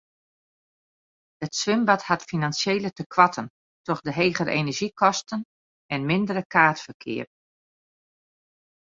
It swimbad hat finansjele tekoarten troch de hegere enerzjykosten en mindere kaartferkeap.